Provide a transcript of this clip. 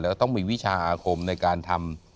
ก็ต้องมีวิชาอาคมในการทำ